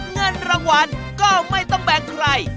เงินรางวัลก็ไม่ต้องแบ่งใคร